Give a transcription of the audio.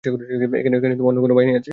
এখানে অন্যকোনো কাহিনী চলছে?